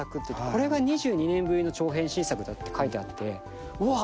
これが２２年ぶりの長編新作だって書いてあってうわっ！